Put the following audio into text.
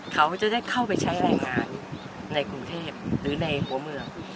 เขาจะได้เข้าไปใช้แรงงานในกรุงเทพหรือในหัวเมือง